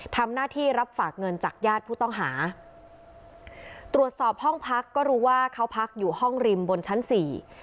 ทำหน้าที่รับฝากเงินจากญาติผู้ต้องหาตรวจสอบห้องพักก็รู้ว่าเขาพักอยู่ห้องริมบนชั้นสี่